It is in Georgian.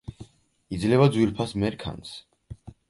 იძლევა ძვირფას მერქანს.